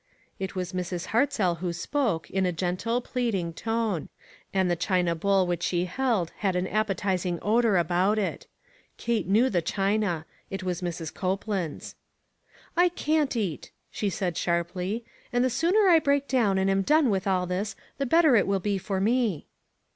It was Mrs. Hartzell who spoke, in a gentle, pleading tone ; and the china bowl which she held had an appetizing odor about it. Kate knew the china. It was Mrs. Cope land's. "I can't eat," she said sharp!}', "and the sooner I break down and am done with all this, the better it will be for me."